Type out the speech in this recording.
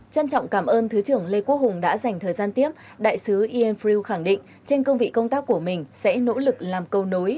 chân trọng cảm ơn thứ trưởng lê quốc hùng đã dành thời gian tiếp đại sứ ian frew khẳng định trên công vị công tác của mình sẽ nỗ lực làm câu nối